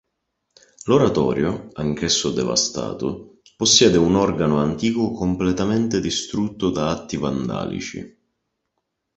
L'oratorio, anch'esso devastato, possiede un organo antico completamente distrutto da atti vandalici.